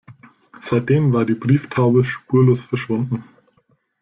Seitdem war die Brieftaube spurlos verschwunden.